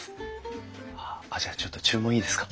あっじゃあちょっと注文いいですか？